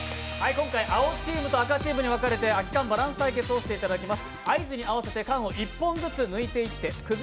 今回、青チームと赤チームに分かれて、「空き缶バランスゲーム」をしていただきます。